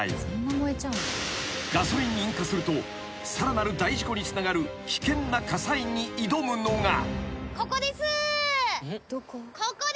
［ガソリンに引火するとさらなる大事故につながる危険な火災に挑むのが］